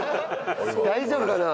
大丈夫かな？